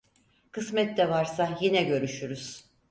Kısmette varsa yine görüşürüz.